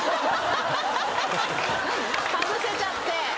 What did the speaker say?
かぶせちゃって。